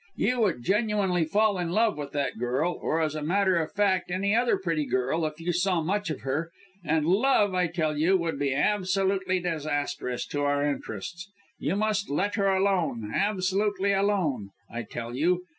You would genuinely fall in love with that girl or as a matter of fact any other pretty girl if you saw much of her and love, I tell you, would be absolutely disastrous to our interests. You must let her alone absolutely alone, I tell you.